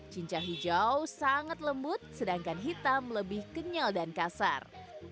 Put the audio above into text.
cincang hijau sangat lembut sedangkan hitam lebih kenyal dan kasar